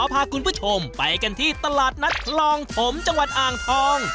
พาคุณผู้ชมไปกันที่ตลาดนัดคลองถมจังหวัดอ่างทอง